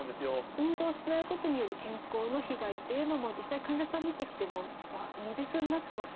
運動しないことによる健康の被害っていうのも、実際患者さん診てきても、如実になってます。